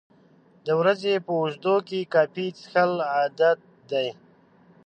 د ورځې په اوږدو کې کافي څښل عادت دی.